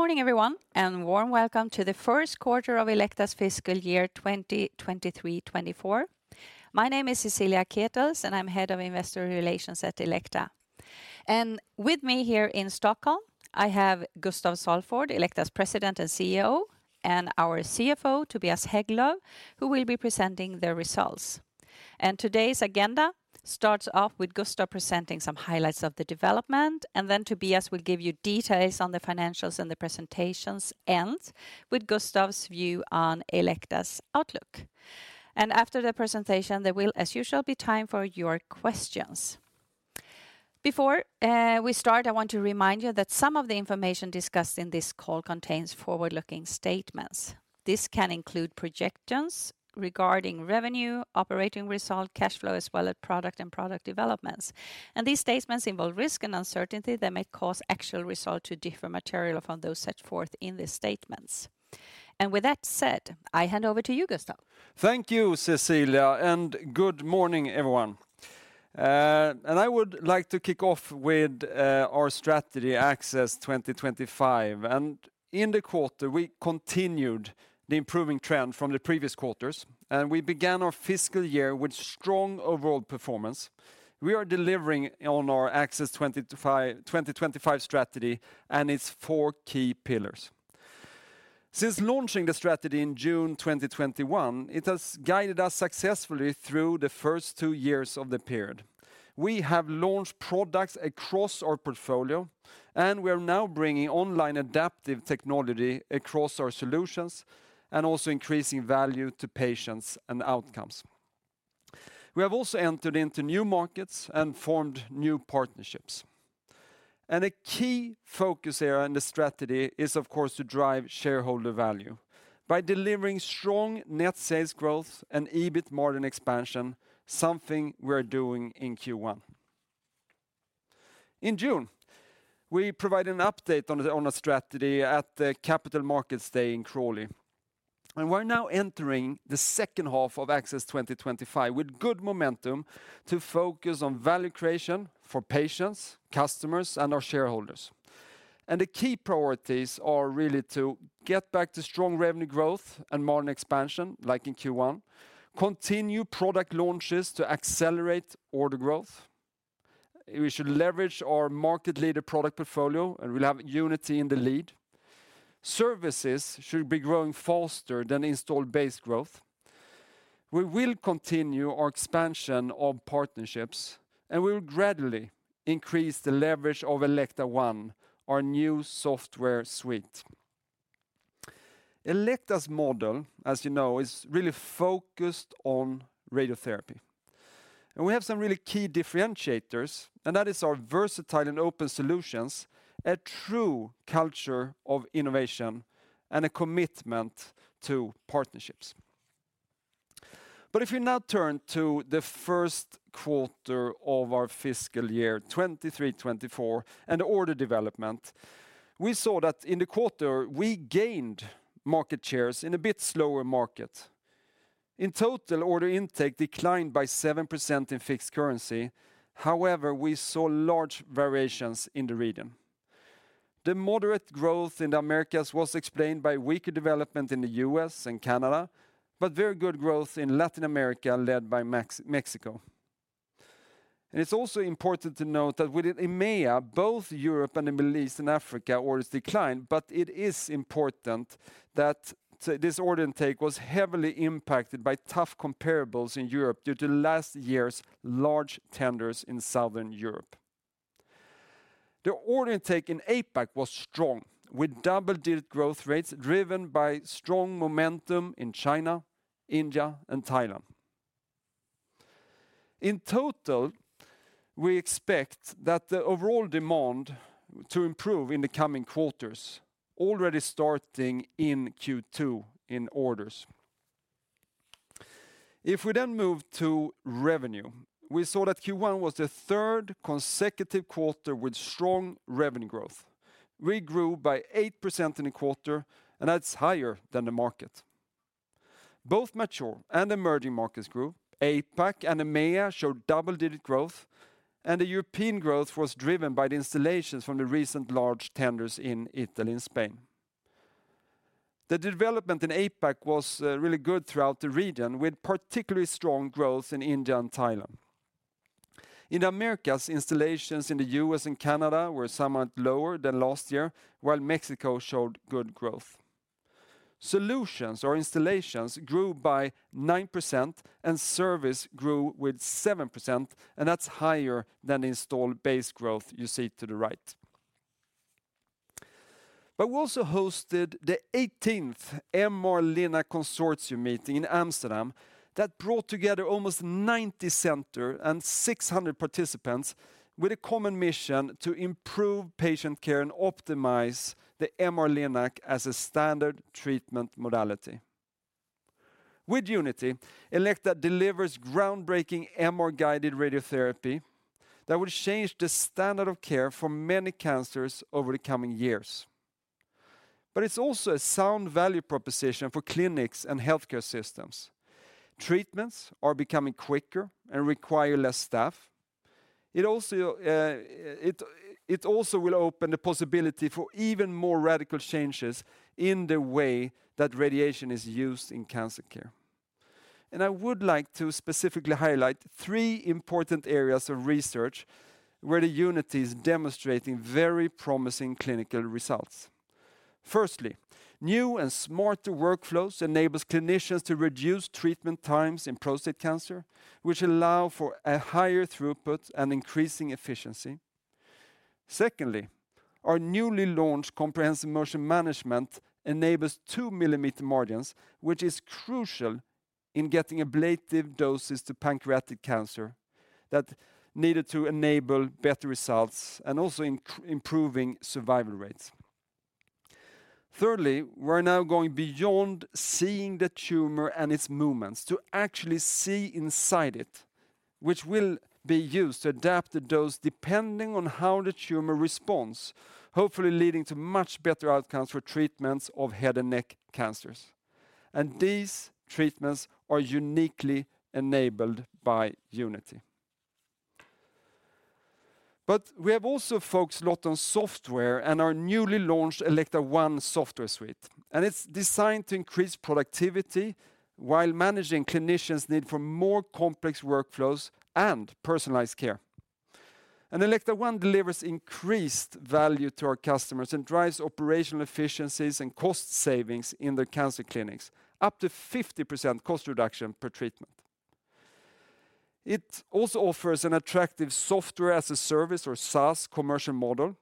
Good morning, everyone, and warm welcome to the First Quarter of Elekta's Fiscal Year 2023-2024. My name is Cecilia Ketels, and I'm Head of Investor Relations at Elekta. And with me here in Stockholm, I have Gustaf Salford,; Elekta's President and CEO, and our CFO; Tobias Hägglöv, who will be presenting the results. And today's agenda starts off with Gustaf presenting some highlights of the development, and then Tobias will give you details on the financials, and the presentations ends with Gustaf's view on Elekta's outlook. And after the presentation, there will, as usual, be time for your questions. Before we start, I want to remind you that some of the information discussed in this call contains forward-looking statements. This can include projections regarding revenue, operating result, cash flow, as well as product and product developments. These statements involve risk and uncertainty that may cause actual results to differ materially from those set forth in the statements. With that said, I hand over to you, Gustaf. Thank you, Cecilia, and good morning, everyone. I would like to kick off with our strategy, Access 2025, and in the quarter, we continued the improving trend from the previous quarters, and we began our fiscal year with strong overall performance. We are delivering on our Access 2025 strategy and its four key pillars. Since launching the strategy in June 2021, it has guided us successfully through the first two years of the period. We have launched products across our portfolio, and we are now bringing online adaptive technology across our solutions and also increasing value to patients and outcomes. We have also entered into new markets and formed new partnerships. And a key focus area in the strategy is, of course, to drive shareholder value by delivering strong net sales growth and EBIT margin expansion, something we're doing in Q1. In June, we provided an update on the strategy at the Capital Markets Day in Crawley. We're now entering the second half of Access 2025 with good momentum to focus on value creation for patients, customers, and our shareholders. The key priorities are really to get back to strong revenue growth and margin expansion, like in Q1, continue product launches to accelerate order growth. We should leverage our market leader product portfolio, and we'll have Unity in the lead. Services should be growing faster than installed base growth. We will continue our expansion of partnerships, and we will gradually increase the leverage of Elekta One, our new software suite. Elekta's model, as you know, is really focused on radiotherapy, and we have some really key differentiators, and that is our versatile and open solutions, a true culture of innovation, and a commitment to partnerships. But if you now turn to the first quarter of our Fiscal Year 2023-2024 and order development, we saw that in the quarter, we gained market shares in a bit slower market. In total, order intake declined by 7% in fixed currency. However, we saw large variations in the region. The moderate growth in the Americas was explained by weaker development in the U.S. and Canada, but very good growth in Latin America, led by Mexico. And it's also important to note that within EMEA, both Europe and the Middle East and Africa, orders declined, but it is important that this order intake was heavily impacted by tough comparables in Europe due to last year's large tenders in Southern Europe. The order intake in APAC was strong, with double-digit growth rates driven by strong momentum in China, India, and Thailand. In total, we expect that the overall demand to improve in the coming quarters, already starting in Q2, in orders. If we then move to revenue, we saw that Q1 was the third consecutive quarter with strong revenue growth. We grew by 8% in the quarter, and that's higher than the market. Both mature and emerging markets grew. APAC and EMEA showed double-digit growth, and the European growth was driven by the installations from the recent large tenders in Italy and Spain. The development in APAC was really good throughout the region, with particularly strong growth in India and Thailand. In the Americas, installations in the U.S. and Canada were somewhat lower than last year, while Mexico showed good growth. Solutions or installations grew by 9%, and service grew with 7%, and that's higher than the installed base growth you see to the right. But we also hosted the eighteenth MR-Linac Consortium meeting in Amsterdam that brought together almost 90 centers and 600 participants with a common mission to improve patient care and optimize the MR-Linac as a standard treatment modality. With Unity, Elekta delivers groundbreaking MR-guided radiotherapy that will change the standard of care for many cancers over the coming years. But it's also a sound value proposition for clinics and healthcare systems. Treatments are becoming quicker and require less staff. It also will open the possibility for even more radical changes in the way that radiation is used in cancer care. And I would like to specifically highlight three important areas of research where the Unity is demonstrating very promising clinical results. Firstly, new and smarter workflows enables clinicians to reduce treatment times in prostate cancer, which allow for a higher throughput and increasing efficiency. Secondly, our newly launched Comprehensive Motion Management enables 2mm margins, which is crucial in getting ablative doses to pancreatic cancer that needed to enable better results and also improving survival rates. Thirdly, we're now going beyond seeing the tumor and its movements, to actually see inside it, which will be used to adapt the dose, depending on how the tumor responds, hopefully leading to much better outcomes for treatments of head and neck cancers. And these treatments are uniquely enabled by Unity. But we have also focused a lot on software and our newly launched Elekta One software suite, and it's designed to increase productivity while managing clinicians' need for more complex workflows and personalized care. And Elekta One delivers increased value to our customers and drives operational efficiencies and cost savings in their cancer clinics, up to 50% cost reduction per treatment. It also offers an attractive software as a service or SaaS commercial model,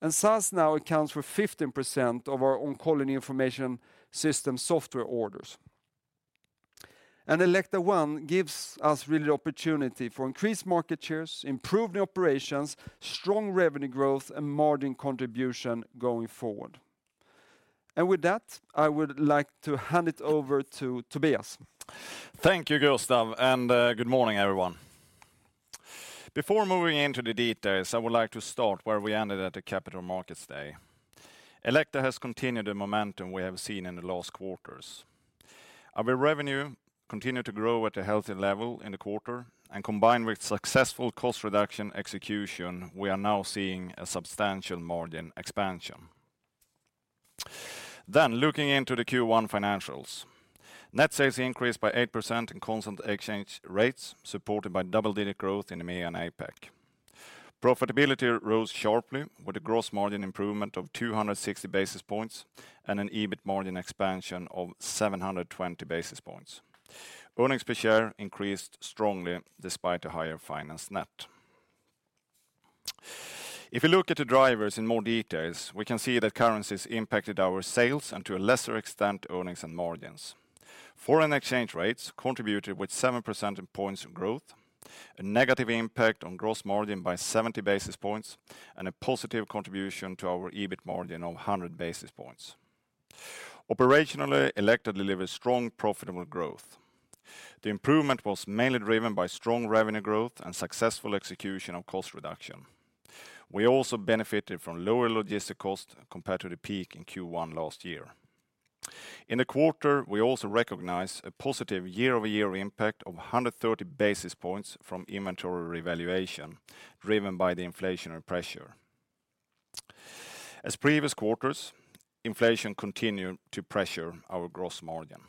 and SaaS now accounts for 15% of our oncology information system software orders. Elekta One gives us really the opportunity for increased market shares, improved operations, strong revenue growth, and margin contribution going forward. With that, I would like to hand it over to Tobias. Thank you, Gustaf, and good morning, everyone. Before moving into the details, I would like to start where we ended at the Capital Markets Day. Elekta has continued the momentum we have seen in the last quarters. Our revenue continued to grow at a healthy level in the quarter, and combined with successful cost reduction execution, we are now seeing a substantial margin expansion. Looking into the Q1 financials, net sales increased by 8% in constant exchange rates, supported by double-digit growth in EMEA and APAC. Profitability rose sharply with a gross margin improvement of 260 basis points and an EBIT margin expansion of 720 basis points. Earnings per share increased strongly despite a higher finance net. If you look at the drivers in more details, we can see that currencies impacted our sales and, to a lesser extent, earnings and margins. Foreign exchange rates contributed with 7 percentage points of growth, a negative impact on gross margin by 70 basis points, and a positive contribution to our EBIT margin of 100 basis points. Operationally, Elekta delivered strong, profitable growth. The improvement was mainly driven by strong revenue growth and successful execution of cost reduction. We also benefited from lower logistics costs compared to the peak in Q1 last year. In the quarter, we also recognized a positive year-over-year impact of 130 basis points from inventory revaluation, driven by the inflationary pressure. As previous quarters, inflation continued to pressure our gross margin.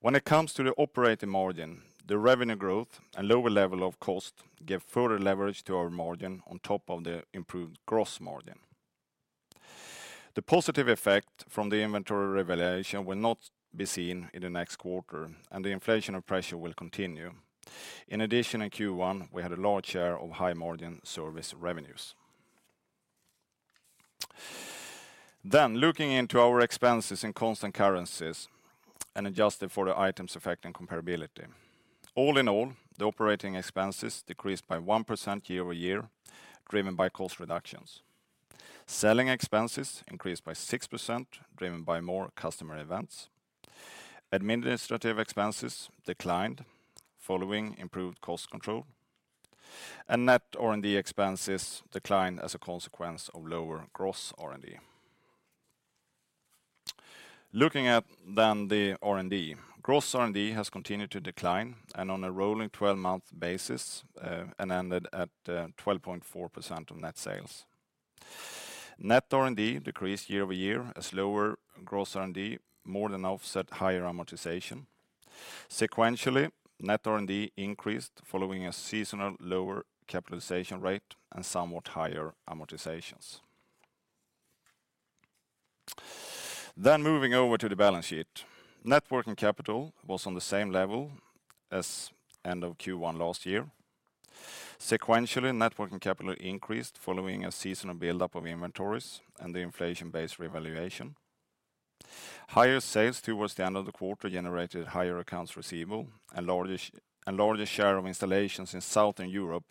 When it comes to the operating margin, the revenue growth and lower level of cost gave further leverage to our margin on top of the improved gross margin. The positive effect from the inventory revaluation will not be seen in the next quarter, and the inflationary pressure will continue. In addition, in Q1, we had a large share of high-margin service revenues. Then, looking into our expenses in constant currencies and adjusted for the items affecting comparability. All in all, the operating expenses decreased by 1% year-over-year, driven by cost reductions. Selling expenses increased by 6%, driven by more customer events. Administrative expenses declined following improved cost control, and net R&D expenses declined as a consequence of lower gross R&D. Looking at then the R&D. Gross R&D has continued to decline and on a rolling twelve-month basis and ended at 12.4% of net sales. Net R&D decreased year-over-year as lower gross R&D more than offset higher amortization. Sequentially, net R&D increased following a seasonal lower capitalization rate and somewhat higher amortizations. Then moving over to the balance sheet. Net working capital was on the same level as end of Q1 last year. Sequentially, net working capital increased following a seasonal buildup of inventories and the inflation-based revaluation. Higher sales towards the end of the quarter generated higher accounts receivable, and larger share of installations in Southern Europe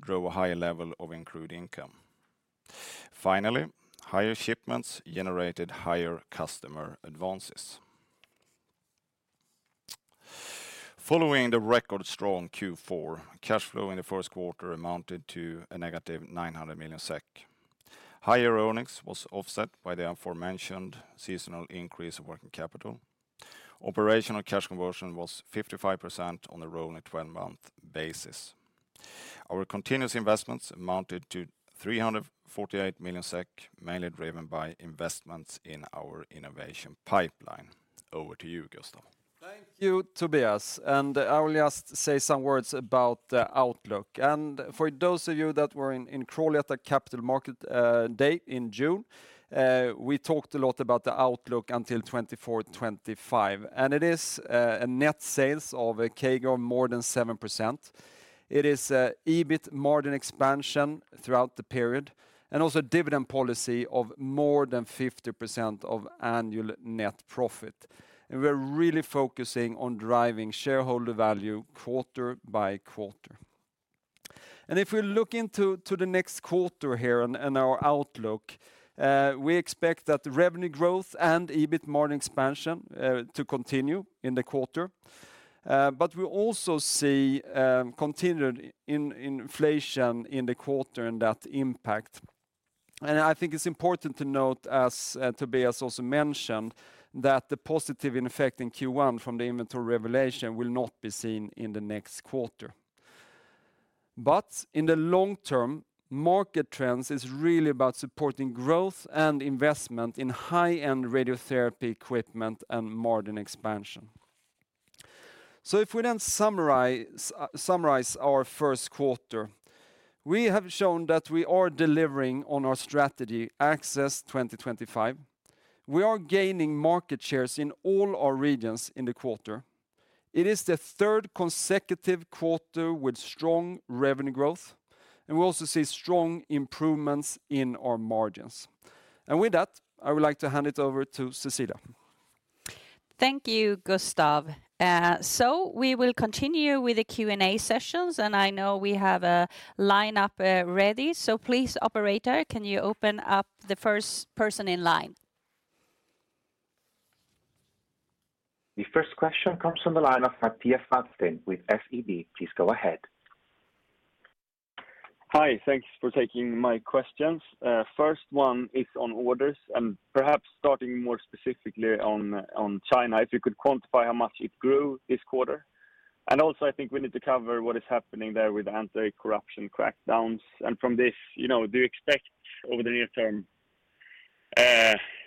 drove a higher level of accrued income. Finally, higher shipments generated higher customer advances. Following the record strong Q4, cash flow in the first quarter amounted to a negative 900 million SEK. Higher earnings was offset by the aforementioned seasonal increase of working capital. Operational cash conversion was 55% on the rolling twelve-month basis. Our continuous investments amounted to 348 million SEK, mainly driven by investments in our innovation pipeline. Over to you, Gustaf. Thank you, Tobias, and I will just say some words about the outlook. For those of you that were in Crawley at the Capital Markets Day in June, we talked a lot about the outlook until 2024, 2025. It is a net sales of a CAGR more than 7%. It is EBIT margin expansion throughout the period, and also dividend policy of more than 50% of annual net profit. We're really focusing on driving shareholder value quarter by quarter. If we look into to the next quarter here and our outlook, we expect that the revenue growth and EBIT margin expansion to continue in the quarter. But we also see continued inflation in the quarter and that impact. I think it's important to note, as Tobias also mentioned, that the positive effect in Q1 from the inventory revaulation will not be seen in the next quarter. But in the long term, market trends is really about supporting growth and investment in high-end radiotherapy equipment and margin expansion. So if we then summarize our first quarter, we have shown that we are delivering on our strategy, Access 2025. We are gaining market shares in all our regions in the quarter. It is the third consecutive quarter with strong revenue growth, and we also see strong improvements in our margins. And with that, I would like to hand it over to Cecilia. Thank you, Gustaf. We will continue with the Q&A sessions, and I know we have a lineup ready. Please, operator, can you open up the first person in line? The first question comes from the line of Mattias Vadsten with SEB. Please go ahead. Hi, thanks for taking my questions. First one is on orders, and perhaps starting more specifically on China, if you could quantify how much it grew this quarter. And also, I think we need to cover what is happening there with the anti-corruption crackdowns. And from this, you know, do you expect over the near term,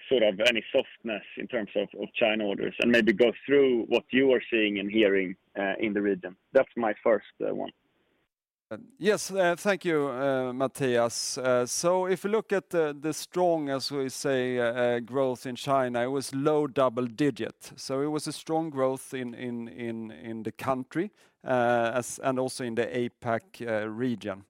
sort of any softness in terms of China orders? And maybe go through what you are seeing and hearing in the region. That's my first one. Yes, thank you, Mattias. So if you look at the strong, as we say, growth in China, it was low double digit. So it was a strong growth in the country, and also in the APAC region.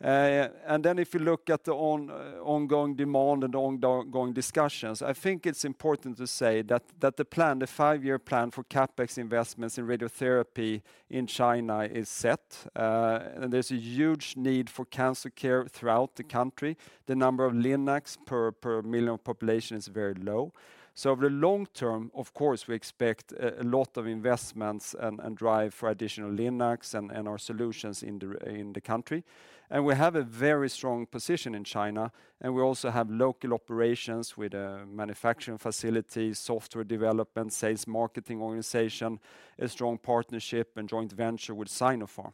And then if you look at the ongoing demand and the ongoing discussions, I think it's important to say that the plan, the five-year plan for CapEx investments in radiotherapy in China is set. And there's a huge need for cancer care throughout the country. The number of linacs per million population is very low. So over the long term, of course, we expect a lot of investments and drive for additional linacs and our solutions in the country. And we have a very strong position in China, and we also have local operations with a manufacturing facility, software development, sales, marketing organization, a strong partnership and joint venture with Sinopharm.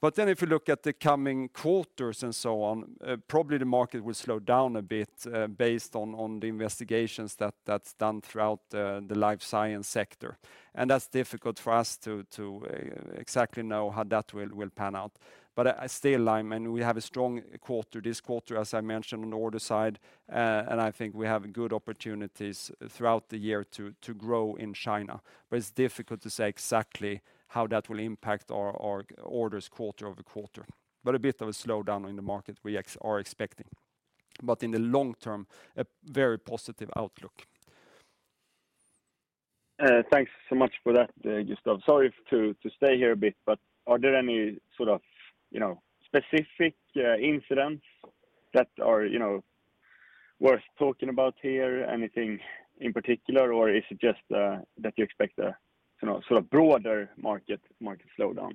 But then if you look at the coming quarters and so on, probably the market will slow down a bit, based on the investigations that that's done throughout the life science sector. And that's difficult for us to exactly know how that will pan out. But still, I mean, we have a strong quarter, this quarter, as I mentioned, on the order side, and I think we have good opportunities throughout the year to grow in China. But it's difficult to say exactly how that will impact our orders quarter over quarter. But a bit of a slowdown in the market, we are expecting. In the long term, a very positive outlook. Thanks so much for that, Gustaf. Sorry to stay here a bit, but are there any sort of, you know, specific incidents that are, you know, worth talking about here, anything in particular, or is it just that you expect a, you know, sort of broader market slowdown?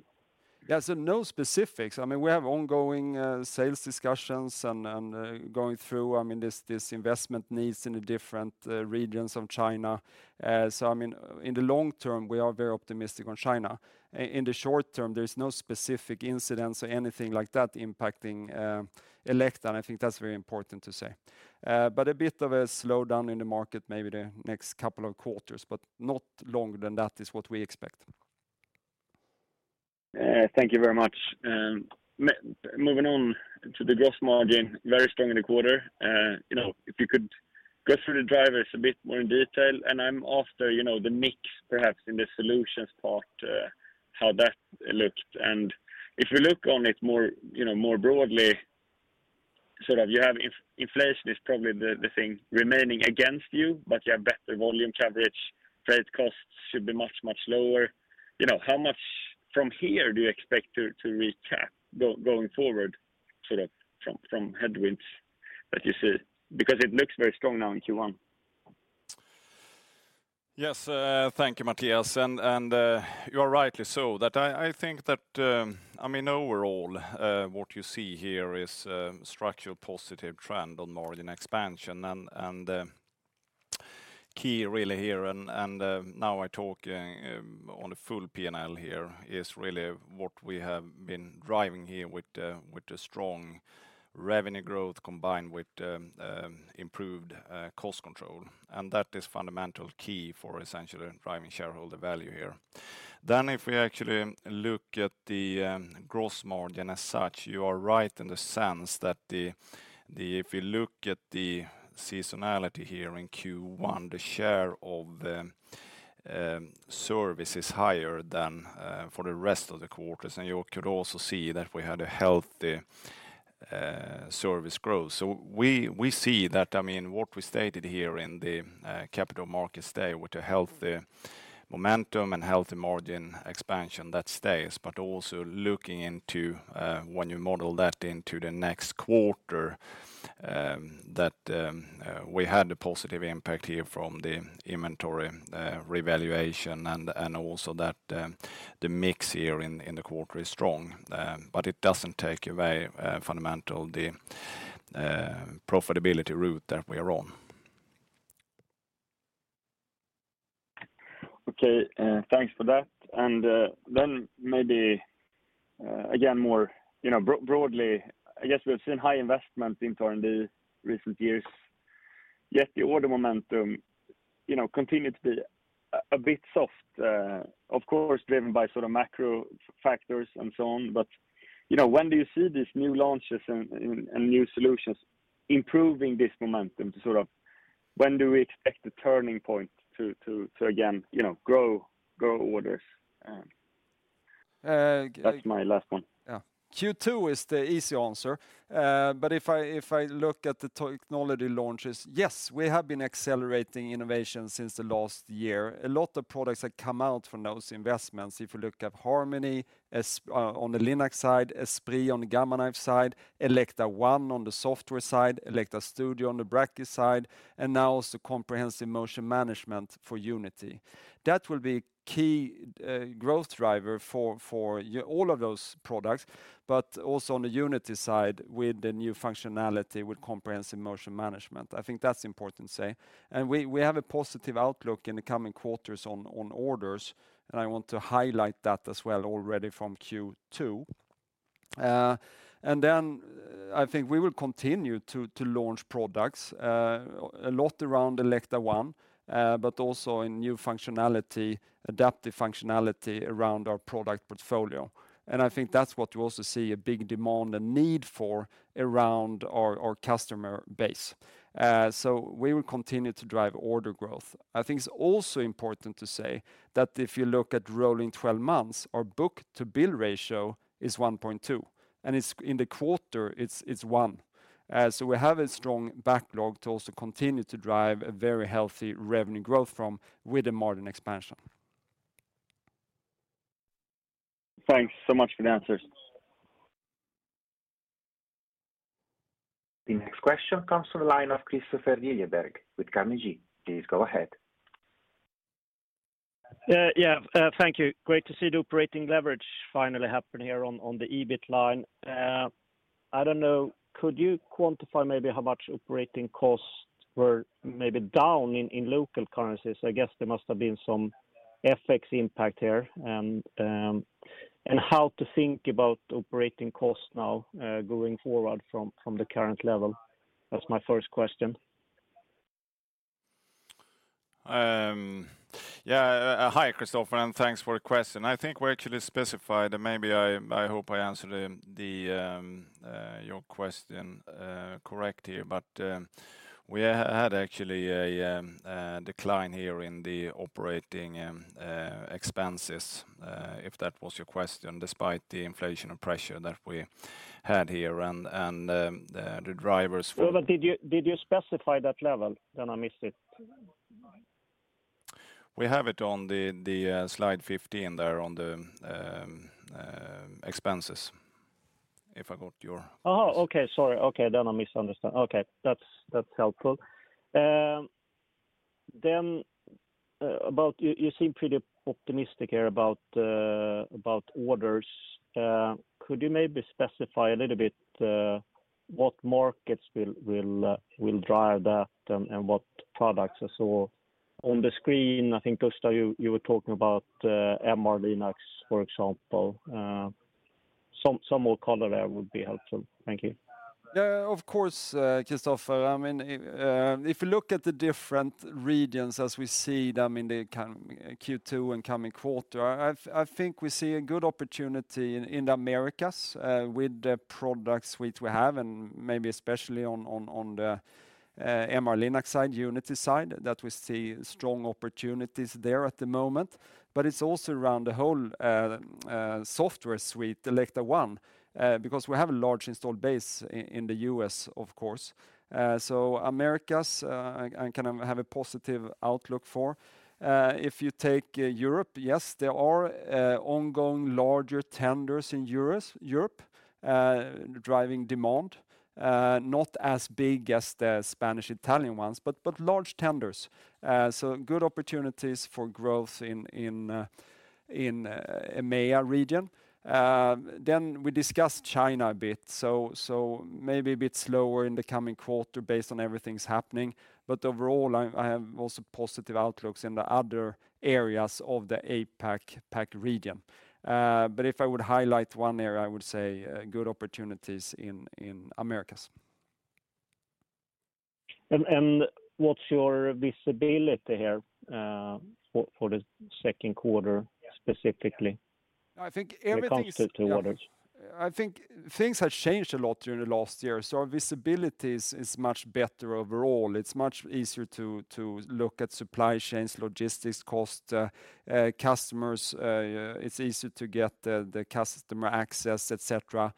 There's no specifics. I mean, we have ongoing, sales discussions and, and, going through, I mean, this, this investment needs in the different, regions of China. So I mean, in the long term, we are very optimistic on China. In the short term, there is no specific incidents or anything like that impacting, Elekta, and I think that's very important to say. But a bit of a slowdown in the market, maybe the next couple of quarters, but not longer than that, is what we expect. Thank you very much. Moving on to the gross margin, very strong in the quarter. You know, if you could go through the drivers a bit more in detail, and I'm after, you know, the mix, perhaps in the solutions part, how that looks. And if you look on it more, you know, more broadly, sort of you have inflation is probably the, the thing remaining against you, but you have better volume coverage, trade costs should be much, much lower. You know, how much from here do you expect to recapture going forward, sort of from, from headwinds, as you say? Because it looks very strong now in Q1. Yes, thank you, Mattias. And you are rightly so that I think that, I mean, overall, what you see here is structural positive trend on margin expansion. And key really here, now I talk on a full PNL here, is really what we have been driving here with the strong revenue growth, combined with improved cost control. And that is fundamental key for essentially driving shareholder value here. Then if we actually look at the gross margin as such, you are right in the sense that if you look at the seasonality here in Q1, the share of the service is higher than for the rest of the quarters. And you could also see that we had a healthy service growth. So we see that, I mean, what we stated here in the Capital Markets Day, with a healthy momentum and healthy margin expansion, that stays. But also looking into, when you model that into the next quarter, that we had a positive impact here from the inventory revaluation, and also that the mix here in the quarter is strong. But it doesn't take away fundamental the profitability route that we are on. Okay, thanks for that. And then maybe again, more, you know, broadly, I guess we've seen high investment in R&D recent years. Yet the order momentum, you know, continued to be a bit soft, of course, driven by sort of macro factors and so on. But, you know, when do you see these new launches and new solutions improving this momentum? Sort of, when do we expect the turning point to again, you know, grow orders? That's my last one. Yeah. Q2 is the easy answer. But if I look at the technology launches, yes, we have been accelerating innovation since the last year. A lot of products have come out from those investments. If you look at Harmony on the Linac side, Esprit on the Gamma Knife side, Elekta One on the software side, Elekta Studio on the brachy side, and now also Comprehensive Motion Management for Unity. That will be key growth driver for all of those products, but also on the Unity side, with the new functionality, with Comprehensive Motion Management. I think that's important to say. And we have a positive outlook in the coming quarters on orders, and I want to highlight that as well, already from Q2. And then I think we will continue to launch products, a lot around Elekta One, but also in new functionality, adaptive functionality around our product portfolio. And I think that's what you also see a big demand and need for around our customer base. So we will continue to drive order growth. I think it's also important to say that if you look at rolling twelve months, our book-to-bill ratio is 1.2, and it's in the quarter, it's one. So we have a strong backlog to also continue to drive a very healthy revenue growth from with the margin expansion. Thanks so much for the answers. The next question comes from the line of Kristofer Liljeberg with Carnegie. Please go ahead. Yeah, thank you. Great to see the operating leverage finally happen here on, on the EBIT line. I don't know, could you quantify maybe how much operating costs were maybe down in, in local currencies? I guess there must have been some FX impact here. And how to think about operating costs now, going forward from, from the current level? That's my first question. Yeah, hi, Kristofer, and thanks for the question. I think we actually specified, and maybe I hope I answered the your question correct here. But we had actually a decline here in the operating expenses, if that was your question, despite the inflation and pressure that we had here, and the drivers for- Did you, did you specify that level? Then I missed it. We have it on the slide 15 there on the expenses, if I got your- Sorry. Okay, then I misunderstood. Okay, that's, that's helpful. Then, about you, you seem pretty optimistic here about orders. Could you maybe specify a little bit what markets will drive that and what products are so... On the screen, I think, Gustaf, you were talking about MR-Linac, for example. Some more color there would be helpful. Thank you. Yeah, of course, Christopher. I mean, if you look at the different regions as we see them in the coming Q2 and coming quarter, I think we see a good opportunity in the Americas with the products which we have, and maybe especially on the MR-Linac side, Unity side, that we see strong opportunities there at the moment. But it's also around the whole software suite, Elekta One, because we have a large installed base in the U.S., of course. So Americas, I kind of have a positive outlook for. If you take Europe, yes, there are ongoing larger tenders in Europe driving demand. Not as big as the Spanish, Italian ones, but large tenders. So good opportunities for growth in EMEA region. Then we discussed China a bit, so maybe a bit slower in the coming quarter based on everything that's happening, but overall, I have also positive outlooks in the other areas of the APAC region. But if I would highlight one area, I would say good opportunities in Americas.... And what's your visibility here for the second quarter, specifically? I think everything is- When it comes to orders. I think things have changed a lot during the last year, so our visibility is much better overall. It's much easier to look at supply chains, logistics, cost, customers, it's easier to get the customer access, et cetera.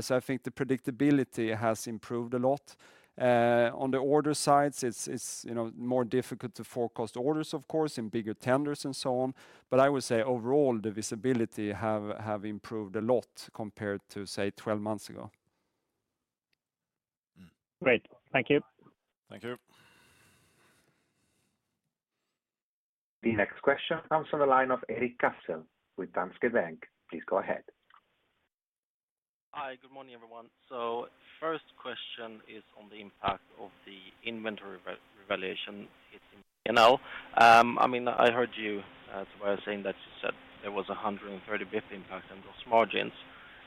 So I think the predictability has improved a lot. On the order sides, it's you know, more difficult to forecast orders, of course, in bigger tenders and so on. But I would say overall, the visibility has improved a lot compared to, say, 12 months ago. Great. Thank you. Thank you. The next question comes from the line of Erik Cassel with Danske Bank. Please go ahead. Hi. Good morning, everyone. First question is on the impact of the inventory revaluation. It's, you know, I mean, I heard you saying that you said there was a 130 bps impact on those margins.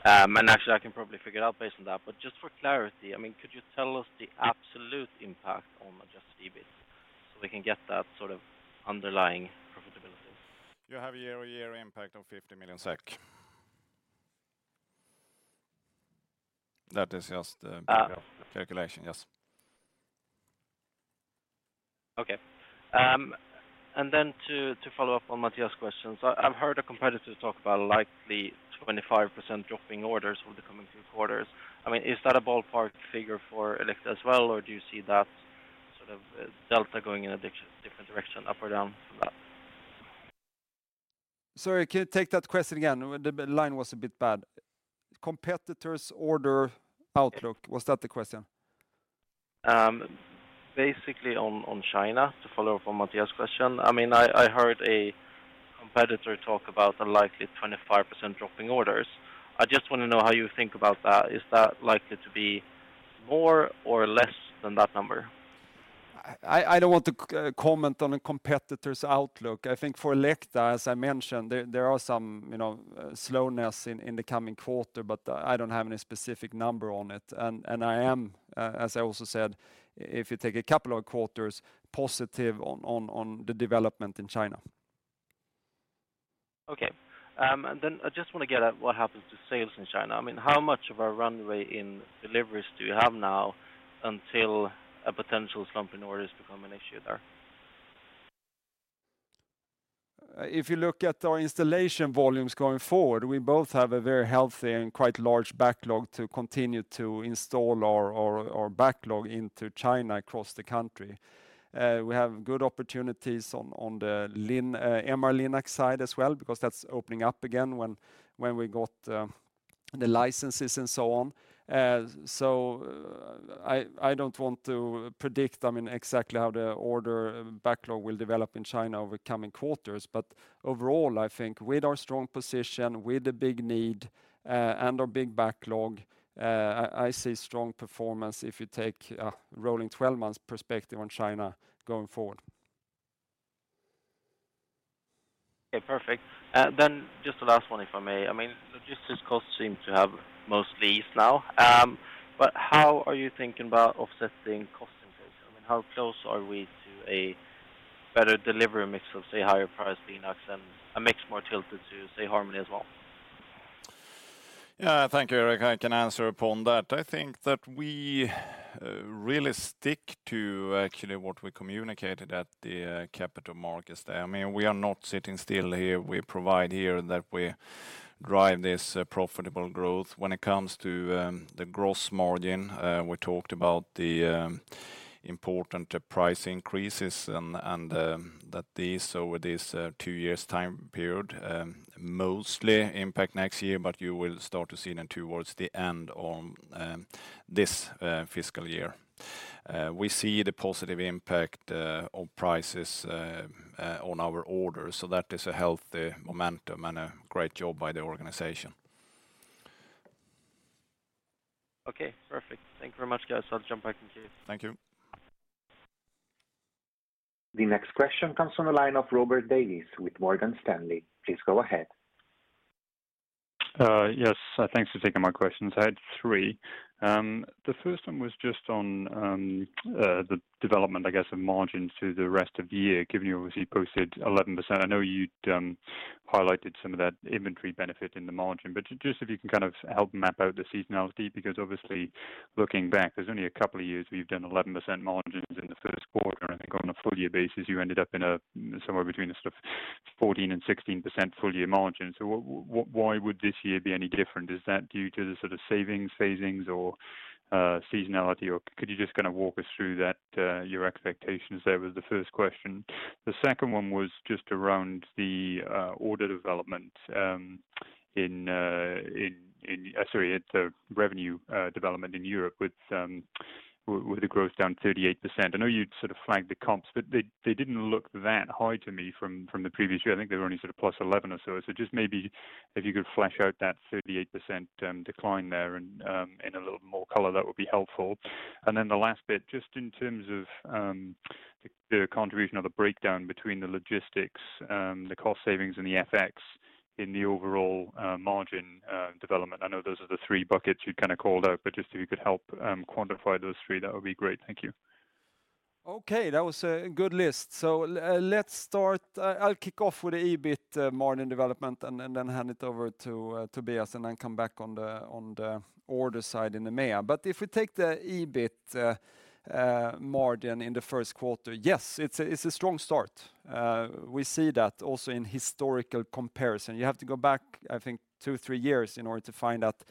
Actually, I can probably figure it out based on that. But just for clarity, I mean, could you tell us the absolute impact on adjusted EBIT, so we can get that sort of underlying profitability? You have a year-over-year impact of 50 million SEK. That is just the- Uh. Calculation, yes. Okay. And then, to follow up on Mattias' questions, I've heard a competitor talk about likely 25% dropping orders for the coming two quarters. I mean, is that a ballpark figure for Elekta as well, or do you see that sort of delta going in a different direction, up or down from that? Sorry, can you take that question again? The line was a bit bad. Competitors' order outlook, was that the question? Basically on China, to follow up on Mattias' question. I mean, I heard a competitor talk about a likely 25% dropping orders. I just want to know how you think about that. Is that likely to be more or less than that number? I don't want to comment on a competitor's outlook. I think for Elekta, as I mentioned, there are some, you know, slowness in the coming quarter, but I don't have any specific number on it. I am, as I also said, if you take a couple of quarters, positive on the development in China. Okay. And then I just want to get at what happens to sales in China. I mean, how much of a runway in deliveries do you have now until a potential slump in orders become an issue there? If you look at our installation volumes going forward, we both have a very healthy and quite large backlog to continue to install our backlog into China across the country. We have good opportunities on the MR-Linac side as well, because that's opening up again when we got the licenses and so on. So, I don't want to predict, I mean, exactly how the order backlog will develop in China over coming quarters, but overall, I think with our strong position, with the big need, and our big backlog, I see strong performance if you take a rolling twelve months perspective on China going forward. Okay, perfect. Then just the last one, if I may. I mean, logistics costs seem to have mostly eased now, but how are you thinking about offsetting cost inflation? I mean, how close are we to a better delivery mix of, say, higher price linacs and a mix more tilted to, say, Harmony as well? Yeah, thank you, Erik. I can answer upon that. I think that we really stick to actually what we communicated at the capital markets there. I mean, we are not sitting still here. We provide here that we drive this profitable growth. When it comes to the gross margin, we talked about the important price increases and that these, over this two years time period, mostly impact next year, but you will start to see them towards the end on this fiscal year. We see the positive impact on prices on our orders, so that is a healthy momentum and a great job by the organization. Okay, perfect. Thank you very much, guys. I'll jump back in queue. Thank you. The next question comes from the line of Robert Davies with Morgan Stanley. Please go ahead. Yes, thanks for taking my questions. I had three. The first one was just on the development, I guess, of margins to the rest of the year, given you obviously posted 11%. I know you'd highlighted some of that inventory benefit in the margin, but just if you can kind of help map out the seasonality, because obviously, looking back, there's only a couple of years where you've done 11% margins in the first quarter, and I think on a full year basis, you ended up in a somewhere between the sort of 14%-16% full year margin. So why would this year be any different? Is that due to the sort of savings phasings or seasonality, or could you just walk us through that, your expectations there with the first question? The second one was just around the order development, sorry, it's a revenue development in Europe with the growth down 38%. I know you'd sort of flagged the comps, but they didn't look that high to me from the previous year. I think they were only sort of +11 or so. So just maybe if you could flesh out that 38% decline there and in a little more color, that would be helpful. And then the last bit, just in terms of the contribution or the breakdown between the logistics, the cost savings and the FX in the overall margin development? I know those are the three buckets you kind of called out, but just if you could help quantify those three, that would be great. Thank you. Okay, that was a good list. So, let's start. I'll kick off with the EBIT margin development, and then hand it over to Tobias, and then come back on the order side in EMEA. But if we take the EBIT margin in the first quarter, yes, it's a strong start. We see that also in historical comparison. You have to go back, I think, 2-3 years in order to find out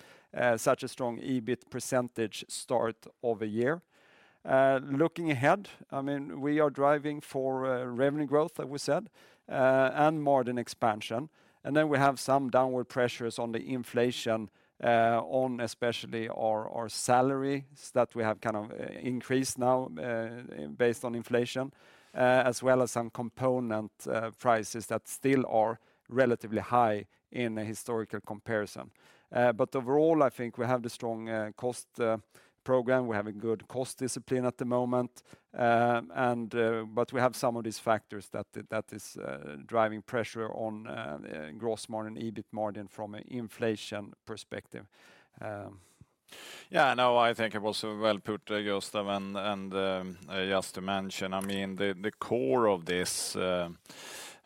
such a strong EBIT percentage start of a year. Looking ahead, I mean, we are driving for revenue growth, like we said, and margin expansion. And then we have some downward pressures on the inflation, on especially our salary, that we have kind of increased now based on inflation, as well as some component prices that still are relatively high in a historical comparison. But overall, I think we have the strong cost program. We have a good cost discipline at the moment. But we have some of these factors that is driving pressure on gross margin, EBIT margin from an inflation perspective. Yeah, no, I think it was well put, Gustaf, and just to mention, I mean, the core of this,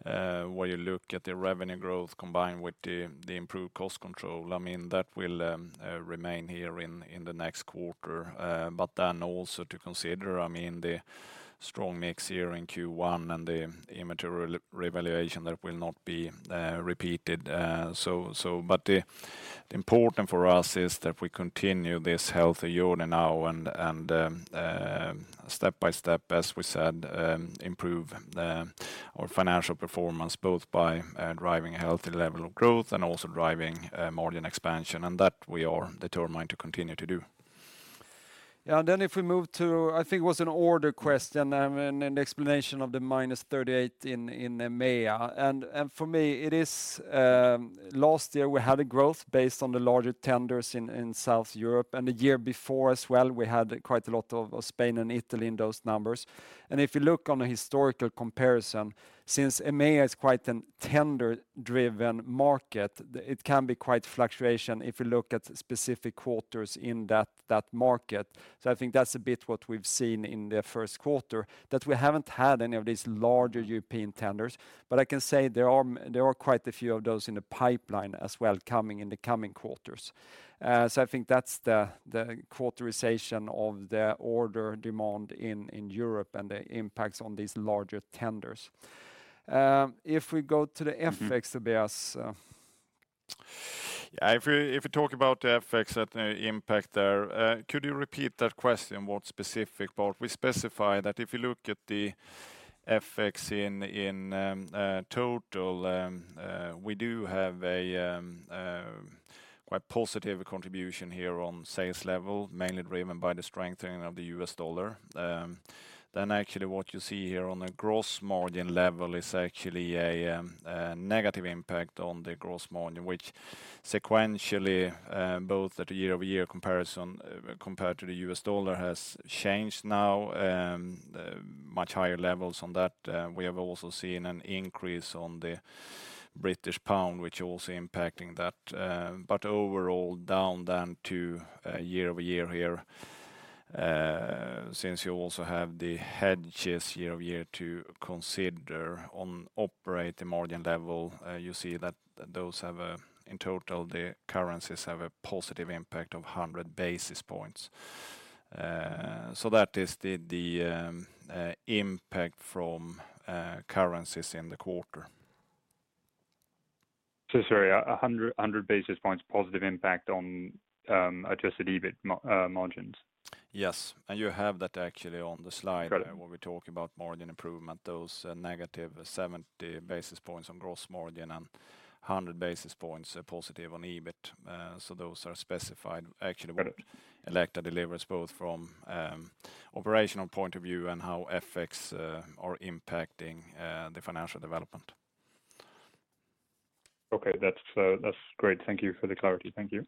where you look at the revenue growth combined with the improved cost control, I mean, that will remain here in the next quarter. But then also to consider, I mean, the strong mix here in Q1 and the inventory revaluation, that will not be repeated. So, but the important for us is that we continue this healthy journey now, and step by step, as we said, improve our financial performance, both by driving a healthy level of growth and also driving margin expansion. And that we are determined to continue to do. Yeah, then if we move to, I think it was an order question, and an explanation of the -38 in EMEA. And for me, it is last year we had a growth based on the larger tenders in South Europe, and the year before as well we had quite a lot of Spain and Italy in those numbers. And if you look on a historical comparison, since EMEA is quite a tender-driven market, it can be quite fluctuation if you look at specific quarters in that market. So I think that's a bit what we've seen in the first quarter, that we haven't had any of these larger European tenders. But I can say there are quite a few of those in the pipeline as well, coming in the coming quarters. So, I think that's the quarterization of the order demand in Europe and the impacts on these larger tenders. If we go to the FX, Tobias. Yeah, if we, if we talk about the FX and the impact there, could you repeat that question? What specific part? We specify that if you look at the FX in, in, total, we do have a, quite positive contribution here on sales level, mainly driven by the strengthening of the U.S. dollar. Then actually what you see here on the gross margin level is actually a, a negative impact on the gross margin, which sequentially, both at a year-over-year comparison, compared to the U.S. dollar, has changed now, much higher levels on that. We have also seen an increase on the British pound, which also impacting that. But overall, down then to year-over-year here, since you also have the hedges year-over-year to consider on operating margin level, you see that those have a—in total, the currencies have a positive impact of 100 basis points. So that is the impact from currencies in the quarter. Sorry, 100 basis points positive impact on adjusted EBIT margins? Yes, and you have that actually on the slide- Got it... where we talk about margin improvement, those negative 70 basis points on gross margin and 100 basis points positive on EBIT. So those are specified actually. Got it... Elekta delivers both from operational point of view and how FX are impacting the financial development. Okay, that's, that's great. Thank you for the clarity. Thank you.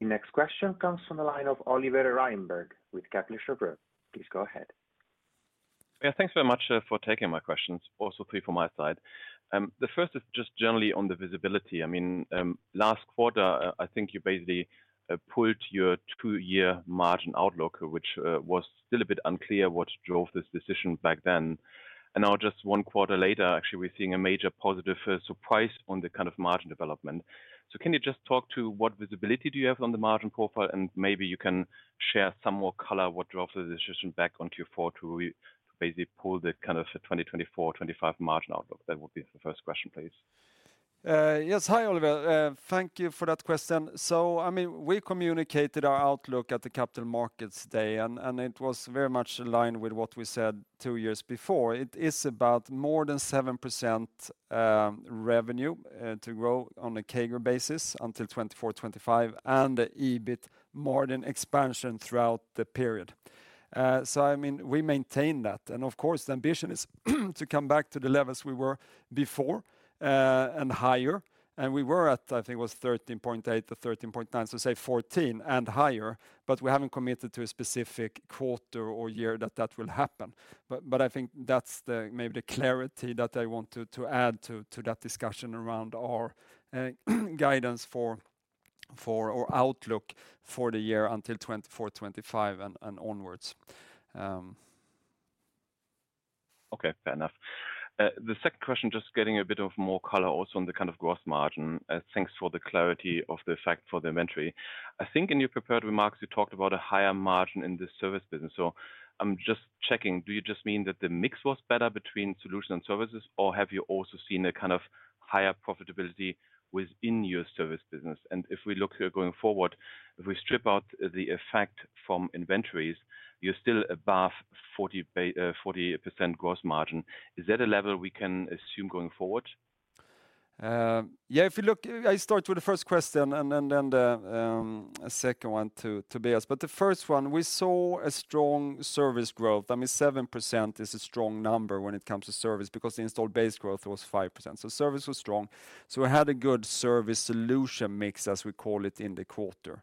The next question comes from the line of Oliver Reinberg with Kepler Cheuvreux. Please go ahead. Yeah, thanks very much, for taking my questions, also three from my side. The first is just generally on the visibility. I mean, last quarter, I think you basically, pulled your two-year margin outlook, which, was still a bit unclear what drove this decision back then. And now, just one quarter later, actually, we're seeing a major positive, surprise on the kind of margin development. So can you just talk to what visibility do you have on the margin profile? And maybe you can share some more color, what drove the decision back on Q4 to, basically, pull the kind of 2024, 2025 margin outlook? That would be the first question, please. Yes. Hi, Oliver. Thank you for that question. So I mean, we communicated our outlook at the Capital Markets Day, and it was very much in line with what we said two years before. It is about more than 7%, revenue, to grow on a CAGR basis until 2024, 2025, and the EBIT margin expansion throughout the period. So I mean, we maintain that. And of course, the ambition is to come back to the levels we were before, and higher. And we were at, I think it was 13.8 or 13.9, so say 14 and higher, but we haven't committed to a specific quarter or year that that will happen. But I think that's the, maybe the clarity that I want to add to that discussion around our guidance for-... for our outlook for the year until 2024, 2025, and, and onwards. Okay, fair enough. The second question, just getting a bit of more color also on the kind of growth margin. Thanks for the clarity of the effect for the inventory. I think in your prepared remarks, you talked about a higher margin in the service business. So I'm just checking: do you just mean that the mix was better between solution and services, or have you also seen a kind of higher profitability within your service business? And if we look here going forward, if we strip out the effect from inventories, you're still above 40% gross margin. Is that a level we can assume going forward? Yeah, if you look, I start with the first question and then the second one to Tobias. But the first one, we saw a strong service growth. I mean, 7% is a strong number when it comes to service, because the installed base growth was 5%, so service was strong. So we had a good service solution mix, as we call it, in the quarter.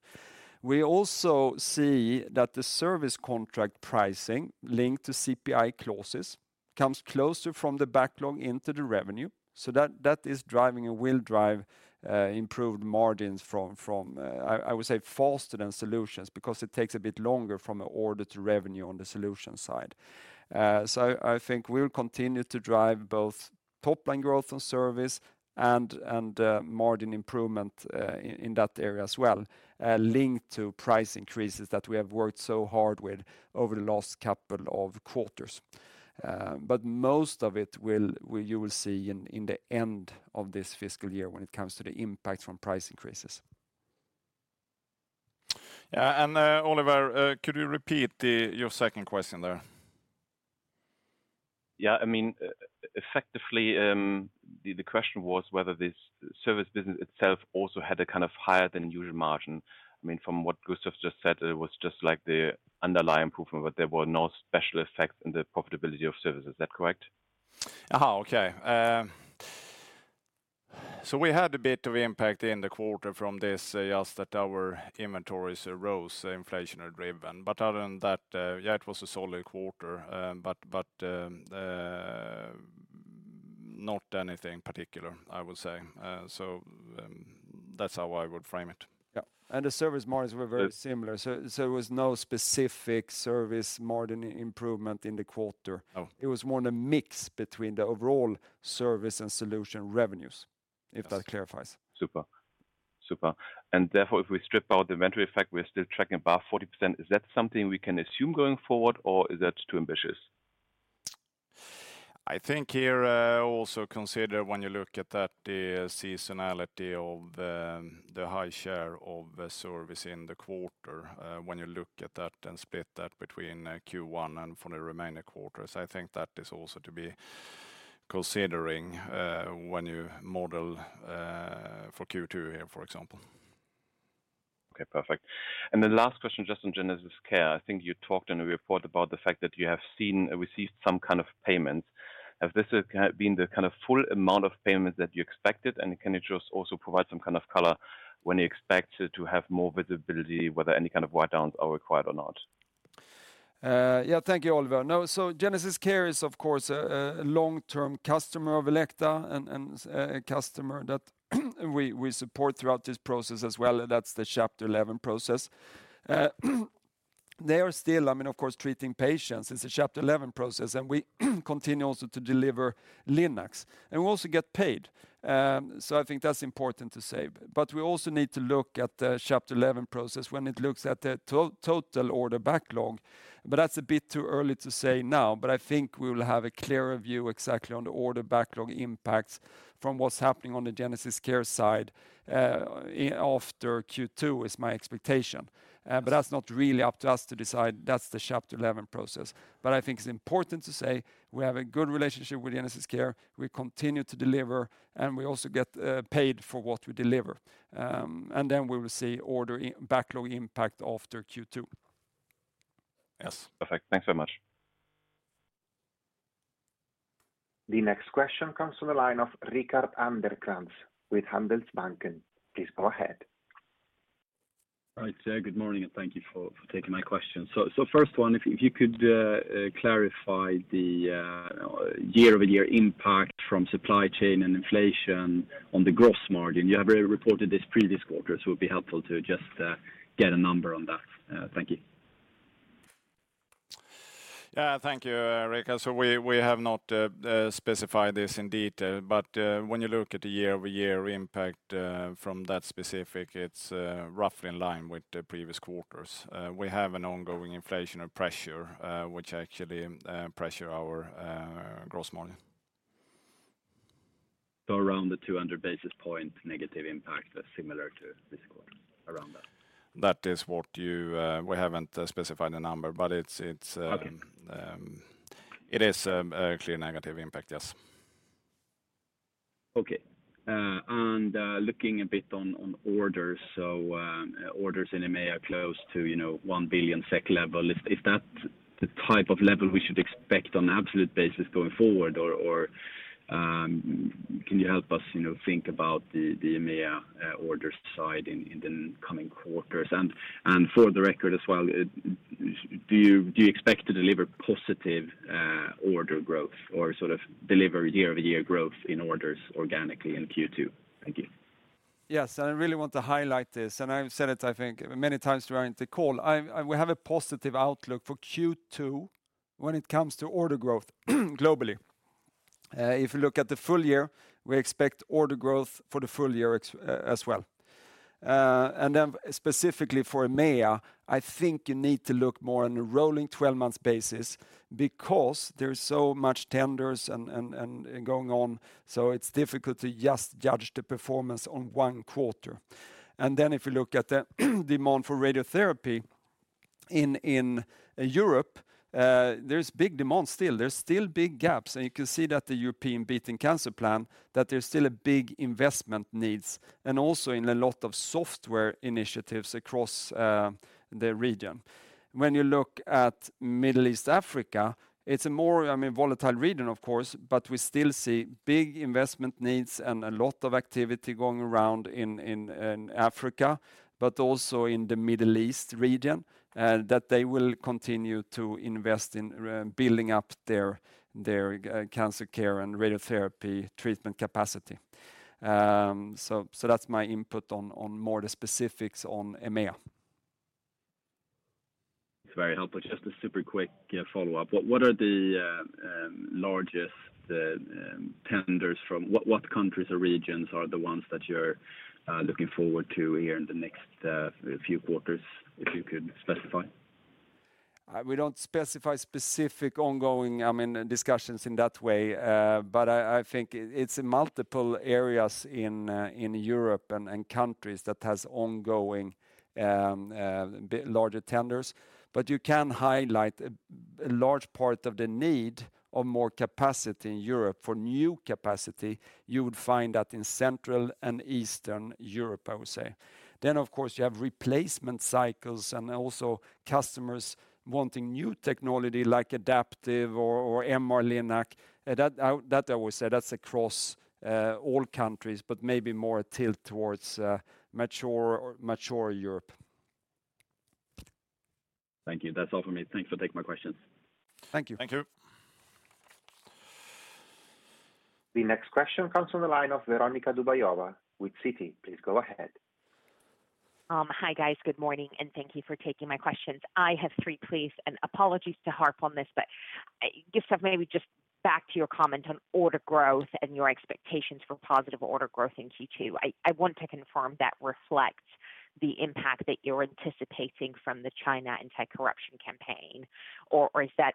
We also see that the service contract pricing linked to CPI clauses comes closer from the backlog into the revenue, so that is driving and will drive improved margins from, I would say, faster than solutions, because it takes a bit longer from an order to revenue on the solution side. So I think we'll continue to drive both top line growth on service and margin improvement in that area as well, linked to price increases that we have worked so hard with over the last couple of quarters. But most of it will, you will see, in the end of this fiscal year when it comes to the impact from price increases. Yeah, and, Oliver, could you repeat the, your second question there? Yeah. I mean, effectively, the question was whether this service business itself also had a kind of higher than usual margin. I mean, from what Gustaf just said, it was just like the underlying improvement, but there were no special effects in the profitability of services. Is that correct? Aha! Okay. So we had a bit of impact in the quarter from this, just that our inventories arose, inflationary driven. But other than that, yeah, it was a solid quarter. But not anything particular, I would say. So that's how I would frame it. Yeah, and the service margins were very similar. Uh- So, there was no specific service margin improvement in the quarter. Oh. It was more in a mix between the overall service and solution revenues. Yes... if that clarifies. Super, super. Therefore, if we strip out the inventory effect, we're still tracking above 40%. Is that something we can assume going forward, or is that too ambitious? I think here, also consider when you look at that, the seasonality of, the high share of the service in the quarter. When you look at that and split that between, Q1 and for the remaining quarters, I think that is also to be considering, when you model, for Q2, for example. Okay, perfect. And the last question, just on GenesisCare. I think you talked in a report about the fact that you have received some kind of payment. Has this kind been the kind of full amount of payments that you expected? And can you just also provide some kind of color when you expect to have more visibility, whether any kind of write-downs are required or not? Yeah. Thank you, Oliver. Now, so GenesisCare is, of course, a long-term customer of Elekta and a customer that we support throughout this process as well. That's the Chapter 11 process. They are still, I mean, of course, treating patients. It's a Chapter 11 process, and we continue also to deliver Linacs, and we also get paid. So I think that's important to say. But we also need to look at the Chapter 11 process when it looks at the total order backlog, but that's a bit too early to say now. But I think we will have a clearer view exactly on the order backlog impacts from what's happening on the GenesisCare side after Q2, is my expectation. But that's not really up to us to decide. That's the Chapter 11 process. But I think it's important to say we have a good relationship with GenesisCare, we continue to deliver, and we also get paid for what we deliver. And then we will see order backlog impact after Q2. Yes. Perfect. Thanks so much. The next question comes from the line of Rickard Anderkrans with Handelsbanken. Please go ahead. All right. Good morning, and thank you for taking my question. So first one, if you could clarify the year-over-year impact from supply chain and inflation on the gross margin. You have already reported this previous quarter, so it would be helpful to just get a number on that. Thank you. Thank you, Rickard. So we have not specified this in detail, but when you look at the year-over-year impact from that specific, it's roughly in line with the previous quarters. We have an ongoing inflationary pressure, which actually pressure our gross margin. Around the 200 basis point, negative impact is similar to this quarter, around that? That is what you... We haven't specified the number, but it's... Okay... it is a clear negative impact, yes. Okay, and looking a bit on orders. So, orders in EMEA are close to, you know, 1 billion SEK level. Is that the type of level we should expect on an absolute basis going forward, or can you help us, you know, think about the EMEA orders side in the coming quarters? And for the record as well, do you expect to deliver positive order growth or sort of deliver year-over-year growth in orders organically in Q2? Thank you. Yes, I really want to highlight this, and I've said it, I think, many times during the call. I'm, we have a positive outlook for Q2 when it comes to order growth, globally. If you look at the full year, we expect order growth for the full year ex, as well. And then specifically for EMEA, I think you need to look more on a rolling twelve-month basis because there is so much tenders and going on, so it's difficult to just judge the performance on one quarter. And then if you look at the demand for radiotherapy in Europe, there's big demand still. There's still big gaps, and you can see that the European Beating Cancer Plan, that there's still a big investment needs and also in a lot of software initiatives across the region. When you look at Middle East, Africa, it's a more, I mean, volatile region, of course, but we still see big investment needs and a lot of activity going around in Africa, but also in the Middle East region that they will continue to invest in building up their cancer care and radiotherapy treatment capacity. So that's my input on more of the specifics on EMEA. It's very helpful. Just a super quick follow-up. What are the largest tenders from—what countries or regions are the ones that you're looking forward to here in the next few quarters, if you could specify? We don't specify specific ongoing, I mean, discussions in that way, but I think it's multiple areas in Europe and countries that has ongoing larger tenders. But you can highlight a large part of the need of more capacity in Europe. For new capacity, you would find that in Central and Eastern Europe, I would say. Then, of course, you have replacement cycles and also customers wanting new technology like adaptive or MR-Linac. That I would say that's across all countries, but maybe more a tilt towards mature Europe. Thank you. That's all for me. Thanks for taking my questions. Thank you. Thank you. The next question comes from the line of Veronika Dubajova with Citi. Please go ahead. Hi, guys. Good morning, and thank you for taking my questions. I have three, please, and apologies to harp on this, but just maybe just back to your comment on order growth and your expectations for positive order growth in Q2. I want to confirm that reflects the impact that you're anticipating from the China anti-corruption campaign, or is that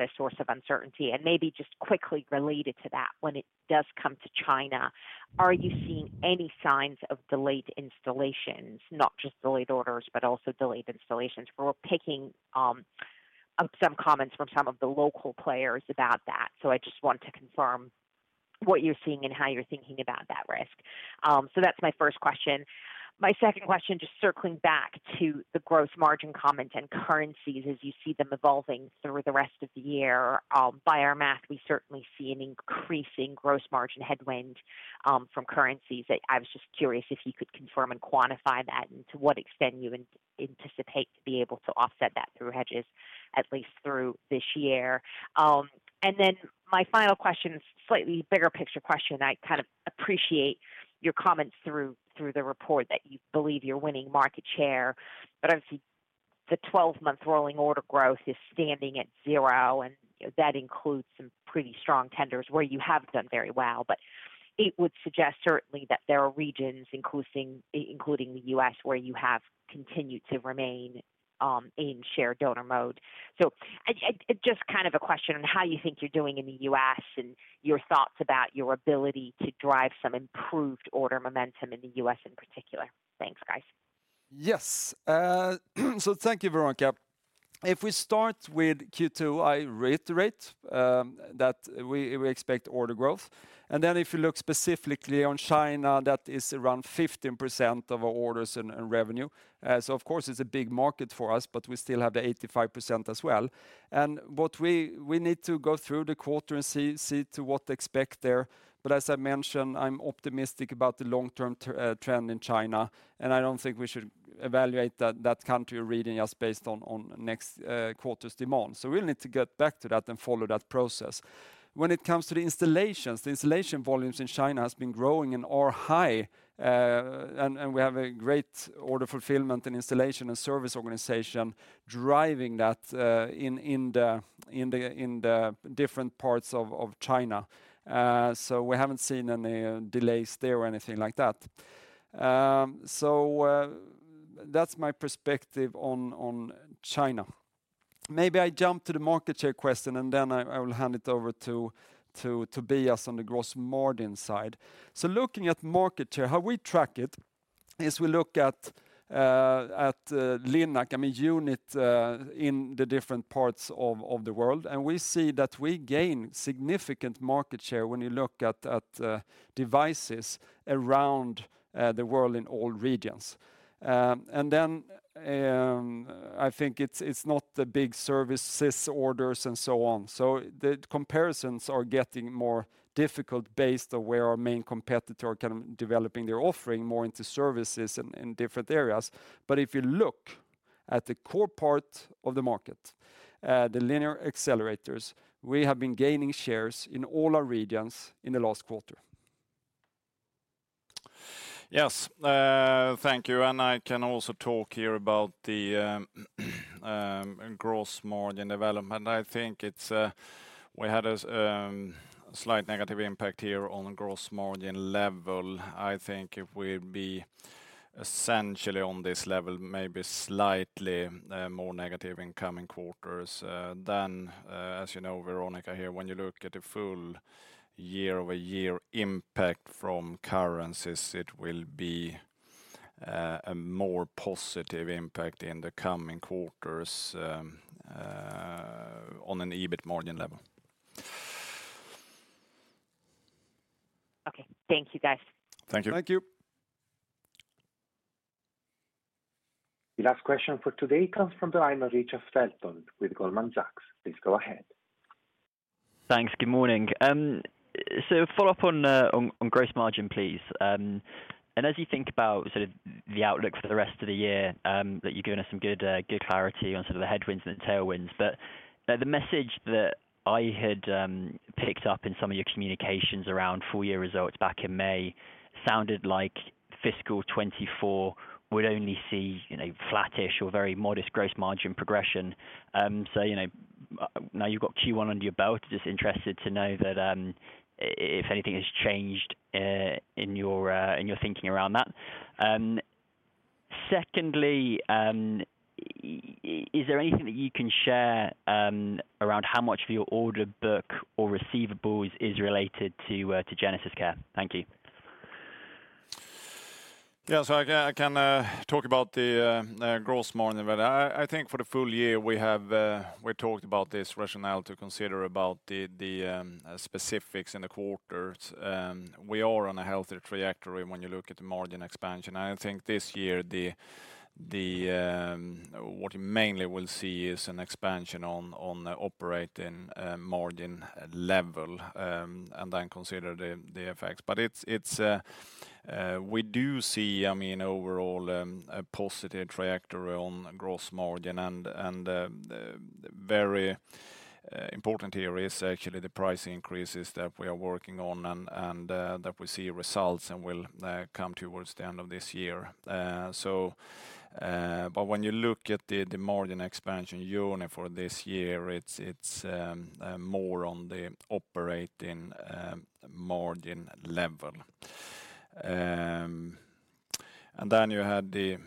a source of uncertainty? And maybe just quickly related to that, when it does come to China, are you seeing any signs of delayed installations? Not just delayed orders, but also delayed installations. We're picking some comments from some of the local players about that. So I just want to confirm what you're seeing and how you're thinking about that risk. So that's my first question. My second question, just circling back to the gross margin comment and currencies as you see them evolving through the rest of the year. By our math, we certainly see an increasing gross margin headwind from currencies. I was just curious if you could confirm and quantify that, and to what extent you anticipate to be able to offset that through hedges, at least through this year. Then my final question is a slightly bigger picture question. I kind of appreciate your comments through the report that you believe you're winning market share, but obviously, the 12-month rolling order growth is standing at 0, and that includes some pretty strong tenders where you have done very well. But it would suggest certainly that there are regions, including the U.S., where you have continued to remain in share donor mode. So I just kind of a question on how you think you're doing in the U.S. and your thoughts about your ability to drive some improved order momentum in the U.S. in particular. Thanks, guys. Yes. So thank you, Veronica. If we start with Q2, I reiterate that we expect order growth. And then if you look specifically on China, that is around 15% of our orders and revenue. So of course, it's a big market for us, but we still have the 85% as well. And what we need to go through the quarter and see to what to expect there. But as I mentioned, I'm optimistic about the long-term trend in China, and I don't think we should evaluate that country reading just based on next quarter's demand. So we'll need to get back to that and follow that process. When it comes to the installations, the installation volumes in China has been growing and are high, and we have a great order fulfillment and installation and service organization driving that, in the different parts of China. So we haven't seen any delays there or anything like that. That's my perspective on China. Maybe I jump to the market share question, and then I will hand it over to Tobias on the gross margin side. Looking at market share, how we track it is we look at Linac, I mean, unit, in the different parts of the world, and we see that we gain significant market share when you look at devices around the world in all regions. And then, I think it's not the big services orders and so on. So the comparisons are getting more difficult based on where our main competitor can developing their offering more into services in different areas. But if you look at the core part of the market, the linear accelerators, we have been gaining shares in all our regions in the last quarter. Yes, thank you. And I can also talk here about the gross margin development. I think it's we had a slight negative impact here on gross margin level. I think if we'd be essentially on this level, maybe slightly more negative in coming quarters, then as you know, Veronica, here, when you look at the full year-over-year impact from currencies, it will be a more positive impact in the coming quarters on an EBIT margin level. Okay. Thank you, guys. Thank you. Thank you. The last question for today comes from the line of Richard Felton with Goldman Sachs. Please go ahead. Thanks. Good morning. So follow up on gross margin, please. And as you think about sort of the outlook for the rest of the year, that you're giving us some good clarity on some of the headwinds and tailwinds. But the message that I had picked up in some of your communications around full year results back in May sounded like fiscal 2024 would only see, you know, flattish or very modest gross margin progression. So, you know, now you've got Q1 under your belt, just interested to know if anything has changed in your thinking around that? Secondly, is there anything that you can share around how much of your order book or receivables is related to GenesisCare? Thank you. Yeah, so I can talk about the gross margin. But I think for the full year, we have talked about this rationale to consider about the specifics in the quarters. We are on a healthier trajectory when you look at the margin expansion. I think this year, what you mainly will see is an expansion on the operating margin level, and then consider the effects. But it's we do see, I mean, overall, a positive trajectory on gross margin and the very important here is actually the price increases that we are working on and that we see results and will come towards the end of this year. So, but when you look at the margin expansion journey for this year, it's more on the operating margin level. And then you had the-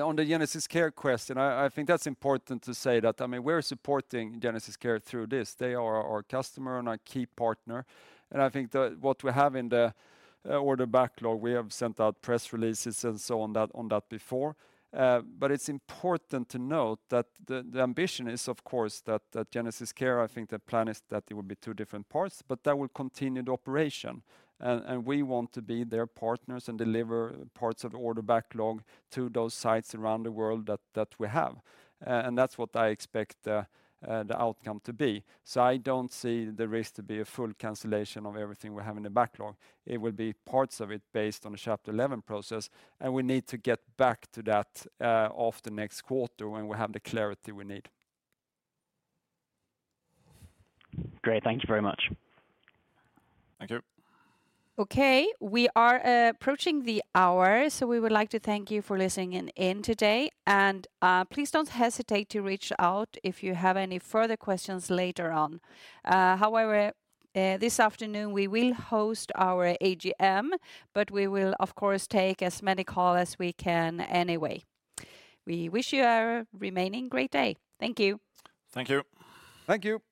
On the GenesisCare question, I think that's important to say that, I mean, we're supporting GenesisCare through this. They are our customer and our key partner, and I think the—what we have in the order backlog, we have sent out press releases and so on that, on that before. But it's important to note that the ambition is, of course, that GenesisCare, I think the plan is that it will be two different parts, but that will continue the operation. And we want to be their partners and deliver parts of the order backlog to those sites around the world that we have. And that's what I expect the outcome to be. So I don't see the risk to be a full cancellation of everything we have in the backlog. It will be parts of it based on the Chapter 11 process, and we need to get back to that, after next quarter when we have the clarity we need. Great. Thank you very much. Thank you. Okay, we are approaching the hour, so we would like to thank you for listening in today. Please don't hesitate to reach out if you have any further questions later on. However, this afternoon, we will host our AGM, but we will, of course, take as many call as we can anyway. We wish you a remaining great day. Thank you. Thank you. Thank you!